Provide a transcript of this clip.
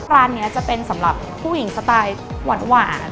ร้านนี้จะเป็นสำหรับผู้หญิงสไตล์หวาน